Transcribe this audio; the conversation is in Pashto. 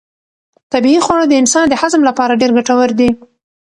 طبیعي خواړه د انسان د هضم لپاره ډېر ګټور دي.